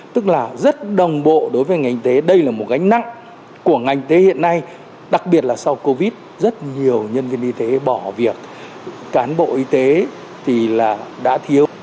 tức là rất đồng bộ đối với ngành y tế đây là một gánh nặng của ngành y tế hiện nay đặc biệt là sau covid rất nhiều nhân viên y tế bỏ việc cán bộ y tế thì đã thiếu